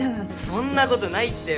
そんなことないって。